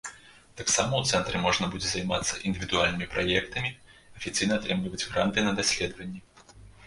Таксама ў цэнтры можна будзе займацца індывідуальнымі праектамі, афіцыйна атрымліваць гранты на даследаванні.